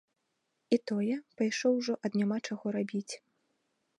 І тое, пайшоў ужо ад няма чаго рабіць.